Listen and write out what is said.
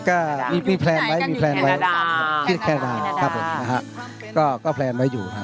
ก็มีแพลนไว้แคลดาครับผมก็แพลนไว้อยู่ครับ